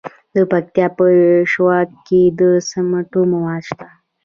د پکتیا په شواک کې د سمنټو مواد شته.